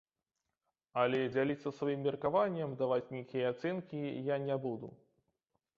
Але дзяліцца сваім меркаваннем, даваць нейкія ацэнкі я не буду.